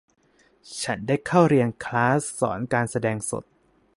ฉันได้เข้าเรียนคลาสสอนการแสดงสด